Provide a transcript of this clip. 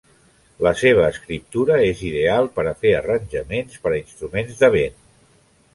La seva escriptura és ideal per a fer arranjaments per a instruments de vent.